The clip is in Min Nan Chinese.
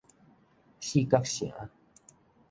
四角城